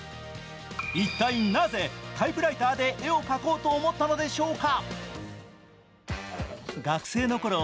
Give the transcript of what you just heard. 一体、なぜタイプライターで絵を描こうと思ったのでしょうか。